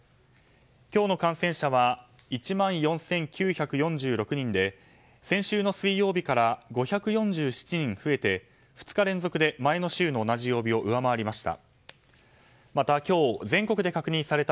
今日の感染者は１万４９４６人で先週の水曜日から５４７人増えて２日連続で前の週の同じ曜日を上回りました。